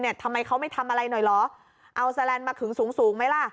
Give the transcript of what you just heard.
เนี้ยทำไมเขาไม่ทำอะไรหน่อยหรอเอามาขึ้นสูงสูงไหมล่ะ